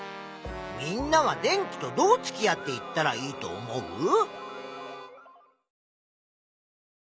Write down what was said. みんなは電気とどうつきあっていったらいいと思う？